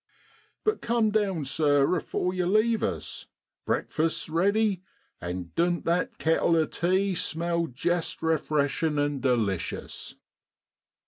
1 But come down, sir, afore you leave us; breakfast's ready, an' don't that kettle of tea smell just refreshin' an' delicious